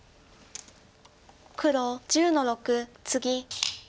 黒１０の六ツギ。